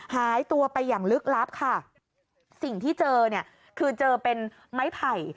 หายตัวไปอย่างลึกลับค่ะสิ่งที่เจอเนี่ยคือเจอเป็นไม้ไผ่